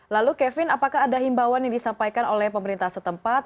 lalu kevin apakah ada himbawan yang disampaikan oleh pemerintah setempat